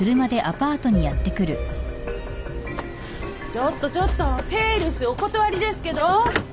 ちょっとちょっとセールスお断りですけど。